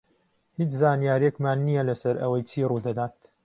هیچ زانیارییەکمان نییە لەسەر ئەوەی چی ڕوو دەدات.